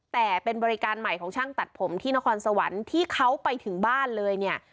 แต่เป็นบริการใหม่ของช่างตัดผมที่นครสวรรค์ที่เขาไปถึงบ้านเลยเนี่ย